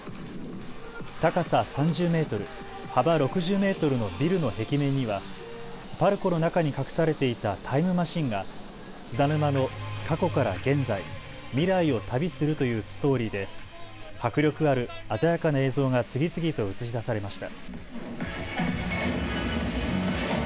高さ３０メートル、幅６０メートルのビルの壁面にはパルコの中に隠されていたタイムマシンが津田沼の過去から現在、未来を旅するというストーリーで迫力ある鮮やかな映像が次々と映し出されました。